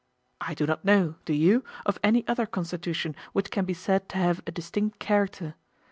I do not know, do you? of any other constitution which can be said to have a distinct character.